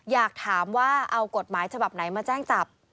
อยากถามว่าเอากฎหมายฉบับไหนมาแจ้งจับ